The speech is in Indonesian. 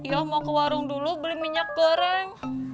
ya mau ke warung dulu beli minyak goreng